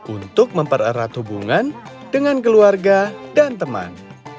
untuk mempererat hubungan dengan keluarga dan teman